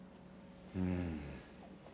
うん。